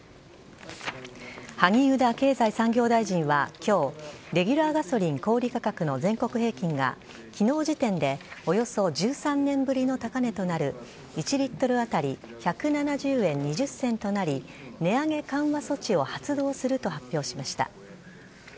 萩生田経済産業大臣はきょう、レギュラーガソリン小売り価格の全国平均がきのう時点でおよそ１３年ぶりの高値となる１リットル当たり１７０円２０銭となり、値上げ緩和措置を発動すると発表しました。